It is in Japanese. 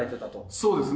そうですね。